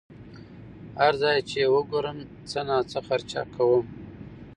هر ځای چې یې وګورم څه ناڅه خرچه کوم.